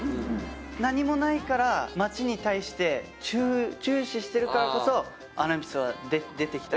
何もないから街に対して注視してるからこそあのエピソードは出てきた。